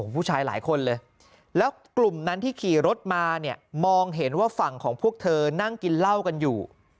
ผู้ชายหลายคนเลยแล้วกลุ่มนั้นที่ขี่รถมาเนี่ยมองเห็นว่าฝั่งของพวกเธอนั่งกินเหล้ากันอยู่